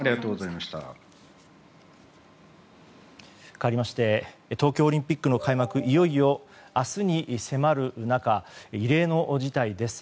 変わりまして東京オリンピックの開幕が、いよいよ明日に迫る中異例の事態です。